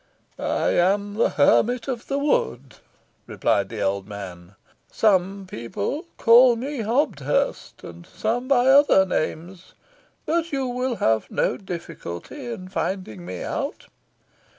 "I am the hermit of the wood," replied the old man. "Some people call me Hobthurst, and some by other names, but you will have no difficulty in finding me out.